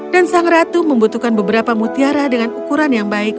dan sang ratu membutuhkan beberapa mutiara dengan ukuran yang baik